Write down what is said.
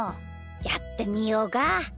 やってみようか。